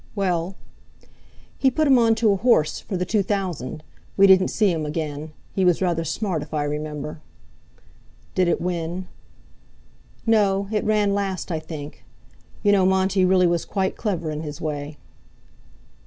"Well?" "He put him on to a horse—for the Two Thousand. We didn't see him again. He was rather smart, if I remember." "Did it win?" "No; it ran last, I think. You know Monty really was quite clever in his way."